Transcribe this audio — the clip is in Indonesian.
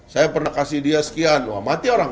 saya pernah kasih dia sekian wah mati orang